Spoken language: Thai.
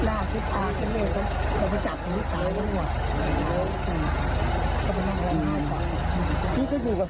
ตรงเนี้ยฮะนี่คือที่เกิดเกิดไปนะครับคุณผู้ชมครับ